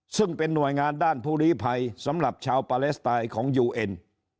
ซึ่งเป็นหน่วยงานด้านภูริภัยสำหรับชาวปาเลสไตน์ของยูเอ็น